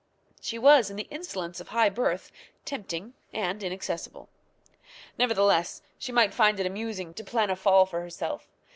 She was, in the insolence of high birth, tempting and inaccessible. Nevertheless, she might find it amusing to plan a fall for herself.